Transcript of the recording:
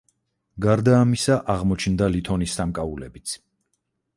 გარდა ამისა აღმოჩნდა ლითონის სამკაულებიც.